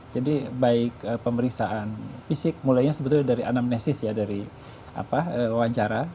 jadi baik pemeriksaan fisik mulainya sebetulnya dari anamnesis ya dari wawancara